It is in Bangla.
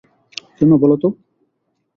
কেন বলো তো।